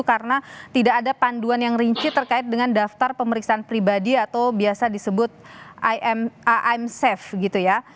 karena tidak ada panduan yang rinci terkait dengan daftar pemeriksaan pribadi atau biasa disebut i m safe gitu ya